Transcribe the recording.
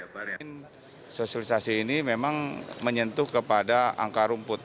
sosialisasi ini memang menyentuh kepada angka rumput